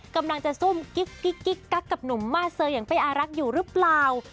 กำลังจะซุ่มก๊ิ๊บกั๊บหนุมมาทเซอลอย่างเป๊อรักอยู่หรือเปล่า